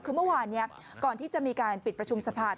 คือเมื่อวานนี้ก่อนที่จะมีการปิดประชุมสภา